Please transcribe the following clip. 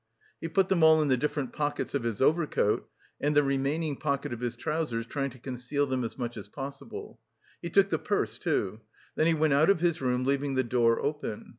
He put them all in the different pockets of his overcoat, and the remaining pocket of his trousers, trying to conceal them as much as possible. He took the purse, too. Then he went out of his room, leaving the door open.